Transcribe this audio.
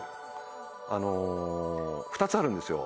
あの２つあるんですよ。